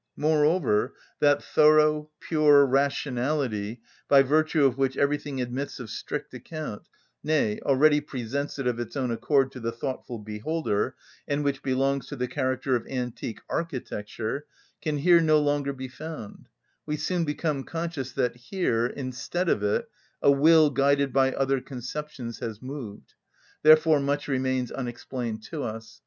Moreover, that thorough, pure rationality by virtue of which everything admits of strict account, nay, already presents it of its own accord to the thoughtful beholder, and which belongs to the character of antique architecture, can here no longer be found; we soon become conscious that here, instead of it, a will guided by other conceptions has moved; therefore much remains unexplained to us.